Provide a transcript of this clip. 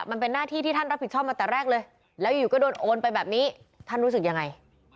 มาตัดแรกเลยแล้วอยู่ก็โดนโอนไปแบบนี้ท่านรู้สึกยังไง